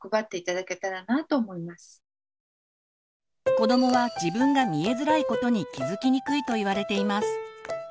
子どもは自分が「見えづらい」ことに気づきにくいといわれています。